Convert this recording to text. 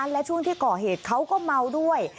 และช่วงที่ก่อเหตุเขาก็เมาด้วย